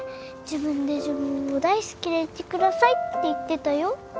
自分で自分を大好きでいてくださいって言ってたよ。